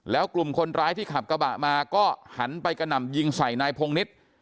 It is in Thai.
แล้วกลุ่มคนร้ายที่ขับกระบะมาก็หันไปกระหน่ำยิงใส่นายพงนิษฐ์